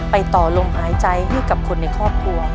ต่อลมหายใจให้กับคนในครอบครัว